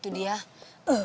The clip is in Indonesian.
kau mau ngapain